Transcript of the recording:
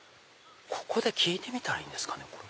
ここで聞いてみたらいいんですかね。